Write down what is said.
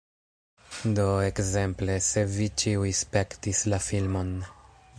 Do, ekzemple, se vi ĉiuj spektis la filmon